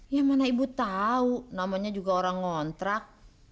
yang mana ibu tahu namanya juga orang ngontrak